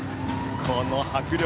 この迫力。